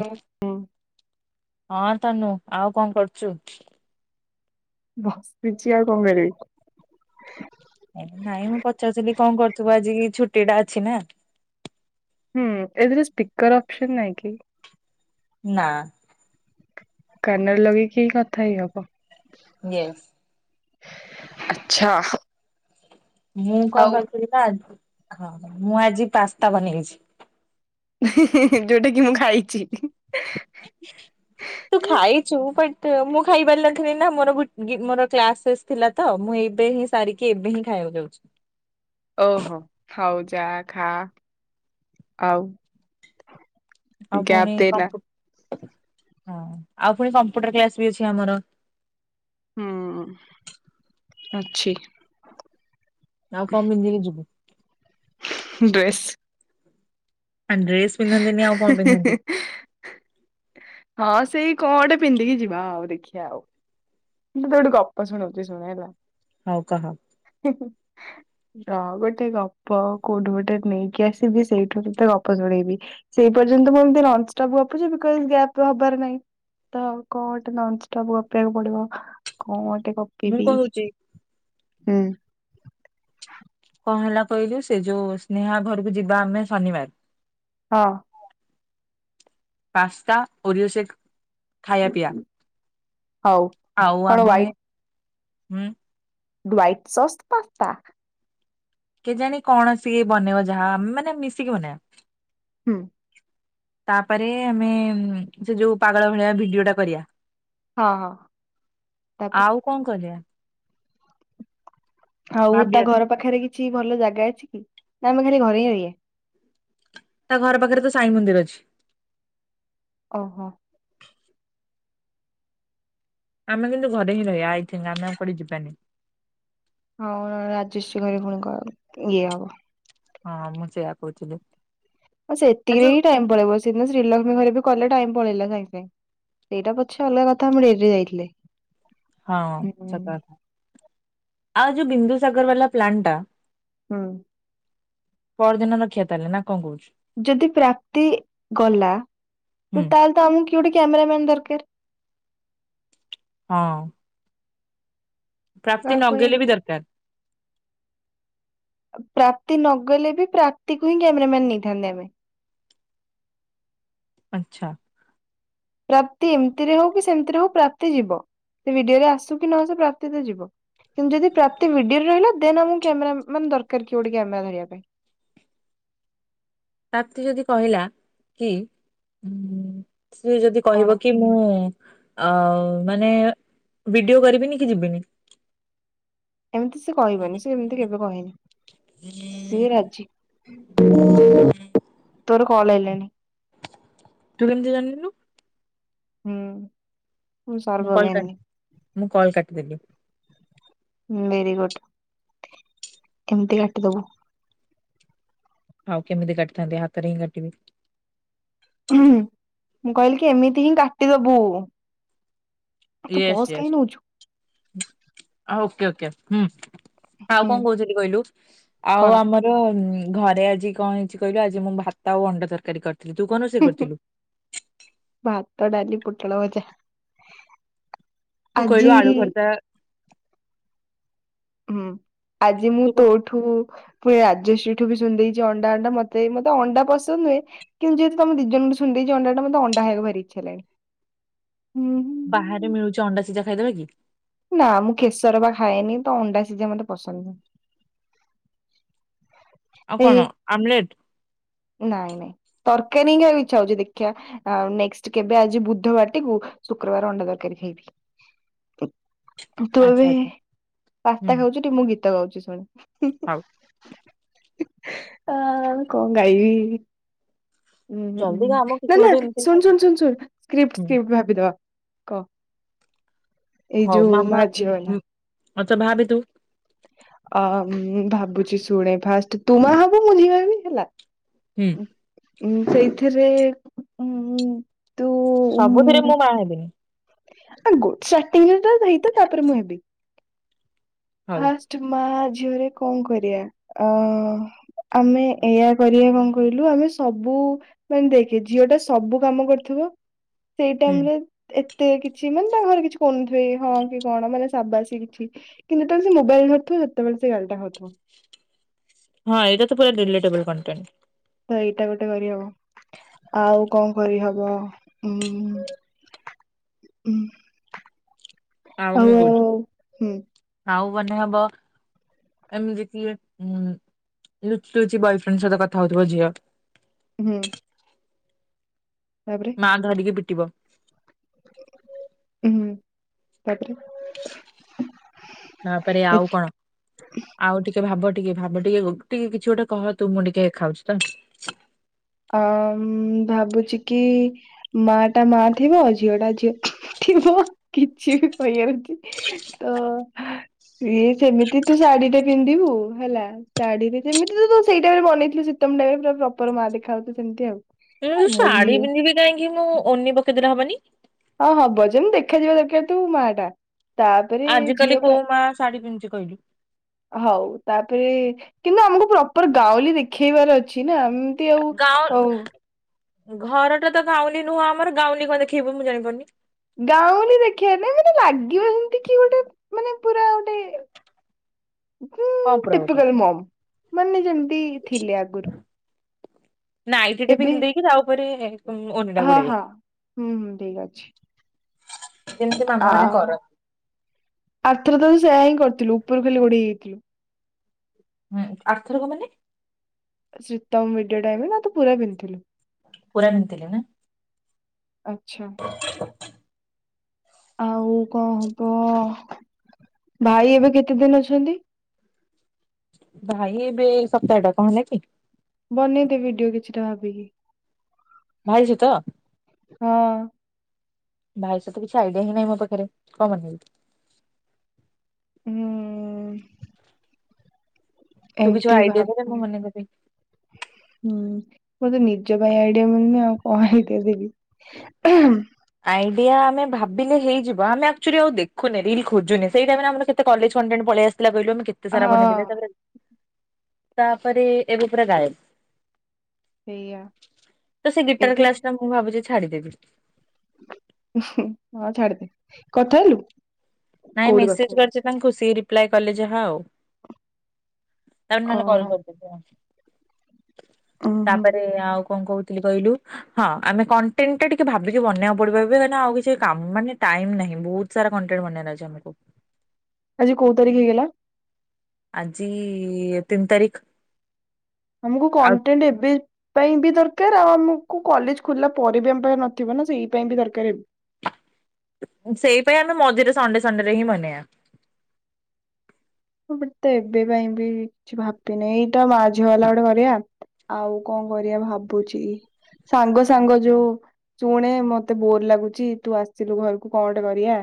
ହୁଁ ହଁ ତନୁ ଆଉ କଁ କରଚୁ? ବସିଛି ଆଉ କଣ କରିବି। ନାଇଁ ମୁଁ ପଚାରୁଥିଲି କଣ କରୁଥିବୁ ଆଜି ଛୁଟି ଟା ଅଛି ନା। ହୁଁ ଏଥିରେ ସ୍ପିକର ଅପସନ୍ ନାହିଁ କି? ନା। କାନରେ ଲଗେଇକି ହି କଥା ହେଇ ହବ। ୟେସ। ଆଛା। ମୁଁ କଣ କରିଥିଲି ନାଁ ହଁ ମୁଁ ଆଜି ପାସ୍ତା ବନେଇଛି। ଯୋଉଟା କି ମୁଁ ଖାଇଛି। [inaudible] ତୁ ଖାଇଛୁ ବଟ ମୁଁ ଖାଇ ପାରଥିଲି ନା ମୋର ମୋର କ୍ଲାସ୍ ସେ ଥିଲା ତ ମୁଁ ଏବେ ହିଁ ସାରିକି ଏବେ ହିଁ ଖାଇବାକୁ ଯାଉଛି। ଓହୋ ହଉ ଯା ଖା ଆଉ ଆଉ ଗ୍ୟାପ ପୁଣି ଦେନା। କମ୍ପୁ ଆଉ ପୁଣି କମ୍ପୁଟର କ୍ଲାସ ବି ଅଛି ଆମର। ହୁଁ ଅଛି। ଆଉ କଣ ପିନ୍ଧିକି ଯୁିବୁ। ଡ୍ରେସ୍। ଡ୍ରେସ୍। [unintelligible] ହଁ ସେଇ କଣ ଗୋଟେ ପିନ୍ଧିକି ଯିବା ଆଉ ଦେଖିବା ଆଉ। ମୁ ତତେ ଗୋଟେ ଗପ ଶୁଣୋଉଛି ଶୁଣହେଲା। ହଉ କହ। ହିଁ ହିଁ। ରହ ଗୋଟେ ଗପ କୋଉଠୁ ଗୋଟେ ନେଇକି ଆସିବି ସେଇଠୁ ତତେ ଗପ ଶୁଣେଇବି। ସେ ପର୍ଯ୍ୟନ୍ତ ମୁଁ ଏମିତି ନନ୍ ଷ୍ଟପ ଗପୁଚି ଗ୍ୟାପ ହବାର ନାହିଁ। ତ ଆଉ କଣ ଗୋଟେ ନନଷ୍ଟପ୍ ଗପିବାକୁ ପଡିବ। କଣ ଗୋଟେ ମୁଁ କହୁଛି ଗପିବି‌ହୁଁ। କଣ ହେଲା କହିଲୁ ସେ ଯୋଉ ସ୍ନେହା ଘରକୁ ଯିବା ଆମେ ଶନିବାର। ହଁ। ପସ୍ତା ଓରିଓସେକ୍ ଖାଇବା ପିଇବା। ହଉ ଆଉ କଣ ଆମେ ହୁଁ ହ୍ବାଇଟ ସସ୍ ପାସ୍ତା। କେ ଜାଣି କଣସିଏ ବନେଇବ ଯାହା ଆମେ ମାନେ ମିଶିକି ବନେଇବା। ହୁଁ। ତାପରେ ଆମେ ସେ ଯୋଉ ପାଗଳ ଭଳିଆ ଭିଡିଓ ଟା କରିବା। ହଁ ହଁ ତାପରେ। ଆଉ କଣ କରିବା? ଆଉ ତା ଭାବିବା ତ। ଘର ପାଖରେ କିଛି ଭଲ ଜାଗା ଅଛି କି ନା ଆମେ ଘରେ ହିଁ ରହିବା। ତା ଘର ପାଖରେ ତ ସାଇ ମନ୍ଦିର ଅଛି। ଓହୋ। ଆମେ କିନ୍ତୁ ଘରେ ହିଁ ରହିବା ଆଇଥିଙ୍ଗ ଆମେ ଆଉ କୁଆଡେ ଯିବାନି। ହଉ ରାଜଶି ଘରେ ପୁଣି କଣ ଇଏ ହବ। ହଁ ମୁଁ ସେୟା କହୁଥିଲି। ଆଉ ସେତିକିରେ ଯୋଉ ହିଁ ଟାଇମ ପଳେଇବ ସେଦିନ ଶ୍ରୀଲକ୍ଷ୍ମୀ ଘରେ ବି କଲେ ଟାଇମ ପଳେଇଲା ସାଙ୍ଗେ ସାଙ୍ଗେ। ସେଇଟା ପଛେ ଅଲଗା କଥା ଆମେ ଡେରିରେ ଯାଇଥିଲେ। ହଁ ହୁଁ ସତ କଥା ଆଉ ଯୋଉ ବିନ୍ଦୁସାଗର ବାଲା ପ୍ଲାନ ଟା ହୁଁ। ପରଦିନ ରଖିବା ତାହଲେ ନା କଣ କହୁଛୁ। ଯଦି ପ୍ରାପ୍ତି ଗଲା ହୁଁ ତ ତାହେଲେ ତ ଆମକୁ କିଏ ଗୋଟେ କ୍ୟାମେରା ମ୍ୟାନ୍ ଦରକାର। ହଁ। ପ୍ରାପ୍ତି କାହାକୁ କହିବା ନଗେଇଲେ ବି ଦରକାର। ପ୍ରାପ୍ତି ନଗଲେ ବି ପ୍ରାପ୍ତି କୁ ହିଁ କ୍ୟାମେରା ମ୍ୟାନ ନେଇଥାନ୍ତେ ଆମେ। ଆଛା। ପ୍ରାପ୍ତି ଏମିତିରେ ହୋଉ କି ସେମିତିରେ ହୋଉ ପ୍ରାପ୍ତି ଯିବ ସେ ଭିଡିଓରେ ଆସୁ କି ନଆସୁ ପ୍ରାପ୍ତି ତ ଯିବ। କିନ୍ତୁ ଯଦି ପ୍ରାପ୍ତି ଭିଡିଓରେ ରହିଲା ଦେନ ଆମକୁ କ୍ୟାମେରା ମ୍ୟାନ୍ ଦରକାର କିଏ ଗୋଟେ କ୍ୟାମେରା ଧରିବା ପାଇଁ। ପ୍ରାପ୍ତି ଯଦି କହିଲା କି ସିଏ ଯଦି କଣ କହିବ କି ମୁଁ ଆ ମାନେ ଭିଡିଓ କରିବିନି କି ଯିବିନି। ଏମିତି ସେ କହିବନି ସେ ଏମିତି କେବେ କହେନି। ସିଏ ରାଜି ତୋର କଲ ଆଇଲାଣି। ତୁ କେମିତି ଜାିଣିଲୁ। ହୁଁ। ମୁଁ କଲ କା ମୁଁ କାଲ କାଟିଦେଲି। ଭେରି ଗୁଡ ଏମିତି କାଟିଦବୁ। ହଉ କେମିତି କାଟଥାନ୍ତି ହାତରେ ହିଁ କାଟିିବି। ହୁଁ ହୁଁ ମୁଁ କହିଲି କି ଏମିତି ହିଁ କାଟିଦବୁ। ତୁ ୟେସ ପସ୍ କାହିଁ ନଉଛୁ ୟେସ ହଁ ଓକେ ଓକେ ହୁଁ। ଆଉ କଣ ହୁଁ କହୁଛନ୍ତି କହିଲୁ ଆଉ କଣ? ଆମର ଘରେ ଆଜି କଣ ହେଇଛି କହିଲୁ ଆଜି ମୁଁ ଭାତ ଆଉ ଅଣ୍ଡା ତରକାରୀ କରିଥିଲି ତୁ କଣ ରୋଷେଇ କରିଥିଲୁ? ଭାତ ଡାଲି ପୋଟଳ ଭଜା। ତୁ କହିଲୁ ଆଳୁ ଆଜି ଭରତା। ହୁଁ ଆଜି ମୁଁ ତୁ କଣ ତୋଠ ଠୁ ପୁଣି ରାଜଶ୍ରୀ ଠୁ ବି ସୁଣିଦେଇଛି ଅଣ୍ଡା ଅଣ୍ଡା ମତେ ମତେ ଅଣ୍ଡା ପସନ୍ଦ ନୁହେଁ କିନ୍ତୁ ଯେହେତୁ ତମ ଦି ଜଣଙ୍କଠୁ ଶୁଣିଦେଇଛି ଅଣ୍ଡାଟା ମୋତେ ଅଣ୍ଡା ଖାଇବାକୁ ଭାରି ଇଛା ହେଲାଣି ହୁଁ ହୁଁ। ବାହାରେ ମିଳୁଛି ଅଣ୍ଡା ସିଜା ଖାଇଦବା କି? ନା ମୁଁ କେଶର ବା ଖାଏନି ତ ଅଣ୍ଡା ସିଝା ମୋତେ ପସନ୍ଦ ନୁହୁଁ। ଆଉ ଏ କଣ ଆମଲେଟ? ନାଇଁ ନାଇଁ ତରକାରୀ ହିଁ ଖାଇବାକୁ ଇଛା ହଉଛି ଦେଖିବା। ଆଉ ନେକ୍ସଟ କେବେ ଆଜି ବୁଧବାରଟିକୁ ଶୁକ୍ରବାର ଅଣ୍ଡା ତରକାରୀ ଖାଇବି। ତୋର ଆଚ୍ଛା ବି ଆଚ୍ଛା ହୁଁ [inaudible] ମୁଁ ଗୀତ ଗାଉଛି ଶୁଣେ? ହଉ ଆ କଣ ଗାଇବି? ଉଁ ଜଲ୍ଦି କାମ କିଛି ନାଁ ନାଁ ଗୋଟେ ଏମିତି ଶୁଣ ହୁଁ। ଶୁଣ ଶୁ ଶୁ ସ୍କ୍ରିପ୍ ସ୍କ୍ରିପ୍ଟ ଭାବିଦବା କଅ? ଏଇ ଯୋଉ ମାଆ ଝିିଅ ହେଲା। ଆଛା ଭାବେ ତୁ। ଅ ଭାବୁଛି ଶୁଣେ ଫାଷ୍ଟ ତୁ ମା ହବୁ ମୁଁ ଝିଅହେବି ହେଲା। ହୁଁ। ଉ ସେଇଥିରେ ଉ ସବୁଥେରେ ମୁଁ ମା ହେବିନି। ମାନେ ଗୋ ଷ୍ଟାଟିଂରେତା ହେଇଥା ତାପରେ ମୁଁ ହେବି ହଉ ଫାଷ୍ଟ ମା ଝିଅରେ କଣ କରିବା ଅ ଆମେ ଏଇଆ କରିବା କଣ କହିଲୁ ଆମେ ସବୁ ମାନେ ଦେଖେ ଝିଅଟା ସବୁ କାମ କରୁଥିବ ସେଇ ହୁଁ। ଟାଇମରେ ଏତେ କିଛି ମାନେ ତାଙ୍କ ଘରେ କିଛି କହୁନଥିବେ ହଁ କି କଣ ମାନେ ସାବାସ କି କିଛି କିନ୍ତୁ ଯେତେବେଳେ ସେ ମୋବାଇଲ ଧରିଥିବ ସେତେବେଳେ ସେ ଗାଳିଟା ଖାଉଥିବ। ହଁ ଏଇଟା ତ ପୁରା ଡିଲଟେବଲ କଣ୍ଟେଣ୍ଟ। ତ ଏଇଟା ଗୋଟେ କରିହବ ଆଉ କଣ କରିହବ ଉଁ ହୁଁ। ଆଉ ମୁଁ କହୁଛି ହୁଁ ଆଉ ମାନେ ହବ ଆମେ ଦେଖିଲେ ଉଁ ଲୁଚି ଲୁଚି ବୟଫ୍ରେଣ୍ଡ ସହିତ କଥା ହଉଥିବ ଝିଅ। ହୁଁ। ତାପରେ? ମା ଧରିକି ପିଟିବ। ହଁ ତାପରେ? ତାପରେ ଆଉ କଣ? ଆଉ ଟିକେ ଭାବ ଟିକେ ଭାବ ଟିକେ ଟିକେ [unintelligible] ଗୋଟେ କହ ତୁ ମୁଁ ଟିକେ ଖାଉଛି ତ। ଅଁ ଭାବୁଛି କି ମା ଟା ମା ଥିବ ଝିଅ ଟା ଝିଅ ଥିବ କିଛି ବି କହି ହଉନି ତ ଇଏ ସେମିତି ତୁ ଶାଢୀ ଟା ପିନ୍ଧିବୁ ହେଲା ଶାଢୀରେ ଯେମିତି ତୁ ସେଇଟାଇମ୍ ରେ ବନେଇଥିଲୁ ଶୀତମ ଟାଇ ପୁରା ପ୍ରପର ମା ଦେଖା ଯାଉଚୁ ସେମିତି ଆଉ। ଆ, ମୁଁ ଶାଢୀ ଝିଅ ପିନ୍ଧିବି କାହିଁକି ମୁଁ ଓନି ପକେଇଦେଲେ ହବନି। ହଁ ହବ ଯେମିତି ଦେଖାଯିବ ଦରକାର ତୁ ମା ଟା ତା ଆଜ କାଲି କୋଉ ମାଆ ଶାଢୀ ପିନ୍ଧୁଚୁ କହିଲୁ? ହଉ ତାପରେ କିନ୍ତୁ ଆମକୁ ପ୍ରପର ଗାଉଁଲି ଦେଖେଇବାର ଅଛି ନା। ଆଉ ଗାଉ ହଉ ଘରଟା ତ ଗାଉଲି ନୁହଁ ଆମର ଗାଉଲି କଣ ଦେଖେଇବୁ ମୁଁ ଜାଣିପାରୁନି। ଗାଉଁଲି ଦେଖିବା ପାଇଁ ମାନେ ଲାଗିବ ଯେମିତି କି ଗୋଟେ ମାନେ ପୁରା ଗୋଟେ [unintelligible] ହୁଁ କଣ ପୁରା ଗୋଟେ। ଟିପକଲ ମମ ମାନେ ଯେମିତି ଥିଲେ ଆଗରୁ। ନାଇଁଟିଟେ ଏବେ ପିନ୍ଧି ଦେଇେକି ତା ଉପରେ ଓନି ଟା ହଁ ଗୁଡେଇବ। ହଁ ହୁଁ ହୁଁ ଠିକ ଅଛି। ଯେମିତି ମାମା ଆଁ ମାନେ କରନ୍ତି ଆରଥରକ ହିଁ ସେଇ କରଥିଲୁ ଉପର ଖାଲି ଘୋଡି ହେଇଯାଇଥିଲୁ। ହୁଁ ଆରଥରକେ ମାନେ ଶୀତମ ମିଡି ଟାଇମ ରେ ନା ତୁ ପୁରା ପିନ୍ଧଥିଲୁ? ପୁରା ପିନ୍ଧିଥିଲି ନା। ଆଚ୍ଛା। ଆଉ କଣ ହବ ଭାଇ ଏବେ କେତେ ଦିନ ଅଛନ୍ତି? ଭାଇ ଏବେ ସପ୍ତାହଟା କଣ ହେଲା କି? ବନେଇଦେ ଭିଡିଓ କିଛିଟା [unintelligible] ବାହା ହେଇଚ ତ? ହଁ ବାହା ହେଇଚି ସତ କିଛି ଆଇଡିଆ ହିଁ ନାହିଁ ମୋ ପାଖରେ କଣ ବନେଇବି? ହୁଁ। ତୁ କିଛି ଏମିତି ଆଇଡିଆ ଦେଲେ ଭାବୁ ମୁଁ ମନେ କରିବି। ହୁଁ। ମୁଁ ତ ନିଜ ପାଇଁ ଆଇଡିଆ ପାଉନି ଆଉ କଣ ହେଇକି ଦେବି। [inaudible] ଆଇଡିଆ ଆମେ ଭାବିଲେ ହେଇଯିବ। ଆମେ ଆକ୍ଚୁଆଲି ଆଉ ଦେଖୁନେ ରିଲ ଖୋଜୁନେ ସେଇଟାଇମରେ ଆମର କେତେ କଲେଜେ [unintelligible] ପଳେଇ ଆସିଥିଲା କହିଲୁ କେତେସାରା ବନେଇଥିଲେ। ହଁ ତାପରେ ତାପରେ ଏବେ ପୁରା ଗାଏବ। ସେଇଆ ତ ସେ ଗିଟାର ଏବେ କ୍ଲାସଟା ମୁଁ ଭାବୁଛି ଛାଡିଦେବି। ହଁ ଛାଡିଦେ କଥା ହେଲୁ? ନାଇଁ କୋଉଠି କଥା ମେସେଜ ହେଲୁ କରିଚି ତାଙ୍କୁ ସିଏ ରିପ୍ଲାଏ କଲେ ଯାହା ଆଉ ତାପରେ ନହେଲେ କଲ୍ ଓହୋ କର ଉୁଁ ହୁଁ ତାପରେ ଆଉ କଣ କହୁଥିଲି କହିଲୁ ହଁ ଆମେ କଣ୍ଟେଣ୍ଟ ଟା ଟିକେ ଭାବିକି ବନେଇଆକୁ ପଡିବ ଏବେ ବରନା କାହିଁକି ଆଉଛି କାମ ମାନେ ଟାଇମ ନାହିଁ ବହୁ ସାରା କଣ୍ଟେଣ୍ଟ ବନେଇବାର ଅଛି ଆମକୁ। ଆଜି କୋଉ ତାରିଖ ହେଇଗଲା? ଆଜି ତିନି ତାରିଖ। ଆମକୁ ଆଉ କଣ୍ଟେଣ୍ଟ ଏବେ ପାଇଁ ବି ଦରକାର ଆଉ ଆମକୁ କଲେଜ ଖୋଲା ପରେ ବି ଆମ ପାଖ ନଥିବ ନା ସେଇ ପାଇଁ ବି ଦରକାର ଏ ସେଇ ପାଇଁ ଆମେ ମଝିରେ ସଣ୍ଡେ ସଣ୍ଡେରେ ହିଁ ବନେଇଆ। ମୁଁ ଗୋଟେ ତ ଏବେ ପାଇଁ ବି କିଛି ଭାବିନି ଏଇଟା ମାଝି ବାଲା ଗୋଟେ କରିୟା। ଆଉ କଁ କରିବା ଭାବୁଚି ସାଙ୍ଗ ସାଙ୍ଗ ଯୋଉ ଶୁଣେ ମତେ ବୋର ଲାଗୁଚ ତୁ ଆସିଲୁ ଘରକୁ କଣଗୋଟେ କରିବା।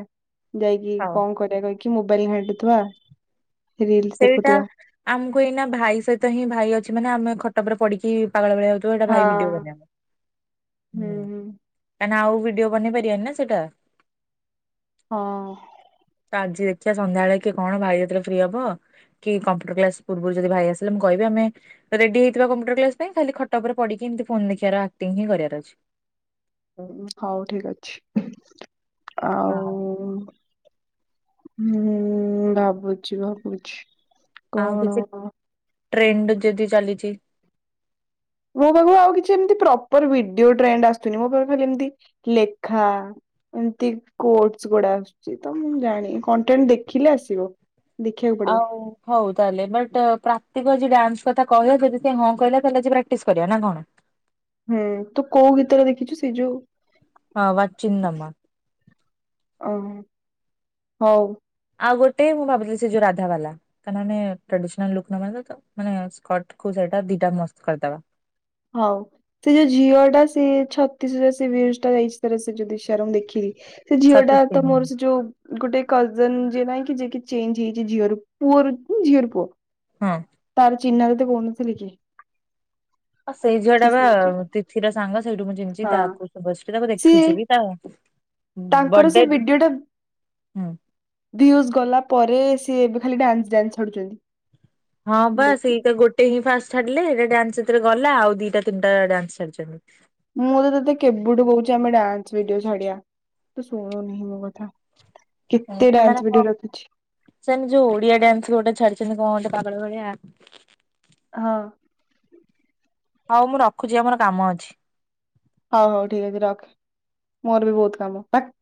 ଯାଇକି ହଉ କଁ କରିବା କହିକି ମୋବାଇଲି ଘାଣ୍ଟୁଥିବା। ରିଲସ ସେଇଟା ଦେଖୁଥିବା। ଆମୁକୁ ଏଇନା ଭାଇ ସହିତ ହିଁ ଭାଇ ଅଛି ମାନେ ଆମେ ଖଟ ପରେ ପଢିକି ପାାଗଳ ଭୋଳିଆ ତ ଏଟା ହଁ ଭାଇ ଭିଡିଓ ବନେଇବାୁଁ ହୁଁ ହୁଁ କାହିଁକ ଆଉ ଭିଡିଓ ବନେଇ ପାରିବନି ନା ସେଇଟା। ହଁ। ତ ଆଜି ଦେଖିଆ ସନ୍ଧ୍ୟାବେଳେ କି କଣ ଭାଇ ଯେତଳେ ଫ୍ରି ହବ କି କମ୍ପୁଟର କ୍ଲାସ ପୂର୍ବରୁ ଯଦି ଆସିଲେ ମୁଁ କହିବି ଆମେ ରେଡି ହେଇଥିବା କମ୍ପ୍ୟୁଟର କ୍ସ ପାଇଁ ଖଲି ଖଟ ଉପ ପଢିକି ଏମିତି ଫୋନ୍ ଦେଖିବାର ଆକ୍ଟିଂ କରିବାର ଅଛି। ହଉ ଠିକ ଅଛି ଆଉ ହଁ। ହୁଁ ଭାବୁଛି ଭାବୁଛି। ଆଉ କଣ କିଛି ଟ୍ରେଣ୍ଡ୍ ଯଦି ଚାଲିଚି ମୋ ପାଖକୁ ଆଉ କିଛି ଏମ୍ତି ପ୍ରପର୍ ଭିଡିଓ ଟ୍ରେଣ୍ଡ୍ ଆସୁି ମୋ ପାଖ ଖାଲି ଏମତି ଲେଖା ଏମ୍ତି କୋଟ୍ସ୍ ଗୁଡା ଆସୁଚି ତ ମୁଁ ଜାଣି କଣ୍ଟେଣ୍ଟ୍ ଦେଖିଲେ ଆସିବ। ଦେଖିବାକୁ ପଡିବ ଆଉ ହୋଉ ତାହେଲେ ବଟ୍ ପ୍ରାତିକ ଯା ଡାନ୍ସ୍ କଥା କହିବା ଯଦି ସେ ହଁ କହିଲ ତାହେଲେ ଆଜି ପ୍ରାକ୍ଟିସ୍ କରିବା ନା କଣ। ହୁଁ ତୁ କୋଉ ଗୀତରେ ଦେଖିଚୁ ସେଇ ଯୋଉ ହଁ ବଚିନ୍ଦମା ଓ ହୋଉ। ଆଉ ଗୋଟେ ମୁଁ ଭାବୁଥିଲି ସେ ଯୋଉ ରାଧା ବାଲା। କାନା ଆମେ ଟ୍ରାଡିସ୍ନାଲ୍ ଲୁକ୍ ନବା ନାଁ ତ ମାନେ ସ୍କର୍ଟ୍ କୁ ସେଟା ଦିଟା ମସ୍ତ୍ କରିଦବା। ହଉ। ସେଇ ଯୋଉ ଝିଅ ଟା ସିଏ ଛତିଶିରେ ସିବିଏସ୍ ଟା ଯାଇଚି ତାର ସେ ଯୋ ଦିସର ମୁଁ ଦେଖିଲି। ସେ ଝିଅ ଟା ଛତିଶ ତ ମୋର ସେ ଯୋଉ ଗୋଟେ କଜନ୍ ଯିଏ ନାଇଁ କି ଯିଏ କି ଚେଞ୍ଜ୍ ହେଇଚି ଝିଅରୁ ପୁଅରୁ ଝିଅର ପୁଅ। ହଁ। ତାର ଚିହ୍ନରେ ତ କହୁନଥିଲ କି ସେଇ ଝିଅ ଟା ସେ ବା ସେଇ ଝିଅଟା ତିଥି ର ସାଙ୍ଗ ସେଇଠୁ ମୁଁ ଚିନ୍ଚି ହଁ ତାକୁ ବେସ୍ଟି ତାକୁ ସିଏ ଦେଖିଚିବି ତା ହ ତାଙ୍କର ସେ ଭିଡିଓ ଟା ହୁଁ ଦିଉଜ୍ ଜ ଗଲା ପରେ ସିଏ ଏବେ ଖାଲି ଡାନ୍ସ୍ ଡାନ୍ ଛଡୁଚନ୍ତି। ହଁ ବା ସେଇଟା ଗୋ ଟେହିଁ ଫାଷ୍ଟ୍ ଛାଡିଲେ ହେଟା ଡ୍ୟାନ୍ସ୍ ସେଥିରେ ଗଲା ଆଉ ଦିଟା ତିନ୍ଟା ଡ୍ୟାନ୍ସ୍ ଛାଡିଛନ୍ତି। ମୁଁ ତ ତତେ କେବେଠୁ କୋହୁଛି ଆମେ ଡ୍ୟାନ୍ସ୍ ଭିଡିଓ ଛାଡିବା ତ ଶୁଣୁନେହି ମୋ କଥା। ହୁଁ କେତେ ଡ୍ୟାନ୍ସ ସେମାନେ ଭିଡିଓ କ ରଖୁଛି ସେନ୍ ଯୋଉ ଓଡିଆ ଡ୍ୟାନ୍ସ ଗୋଟେ ଛାଡିଛନ୍ତି କଣ ଗୋଟେ ପାଗଳ ଭଳିଆ। ହଁ। ହୋଉ ମୁଁ ରଖୁଚି ଆମର କାମ ଅଛି। ହୋଉ ହୋଉ ଠିକ୍ ଅଛି ରଖେ ମୋର ବି ବୋହୁତ କାମ ବାକ୍।